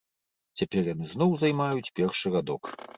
Цяпер яны зноў займаюць першы радок.